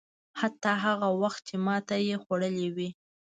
حتی هغه وخت چې ماته یې خوړلې وي.